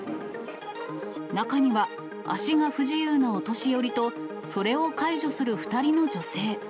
中には足が不自由なお年寄りと、それを介助する２人の女性。